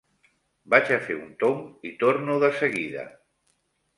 Vaig a fer un tomb i torno de seguida.